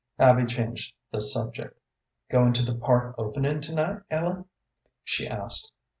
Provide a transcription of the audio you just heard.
Abby changed the subject. "Going to the park opening to night, Ellen?" she asked.